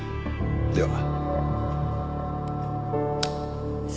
では。